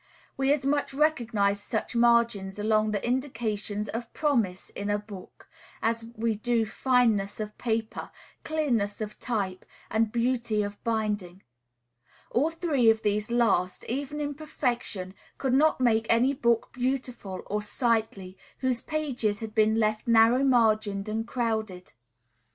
We as much recognize such margins among the indications of promise in a book, as we do fineness of paper, clearness of type, and beauty of binding. All three of these last, even in perfection, could not make any book beautiful, or sightly, whose pages had been left narrow margined and crowded.